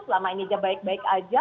selama ini aja baik baik aja